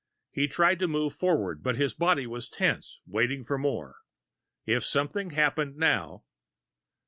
He tried to move forward, but his body was tensed, waiting for more. If something happened now....